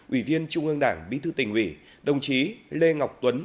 ủy viên trung ương đảng bí thư tỉnh ủy đồng chí lê ngọc tuấn